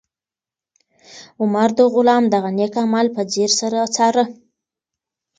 عمر د غلام دغه نېک عمل په ځیر سره څاره.